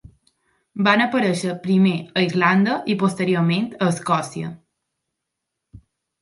Van aparèixer primer a Irlanda, i posteriorment a Escòcia.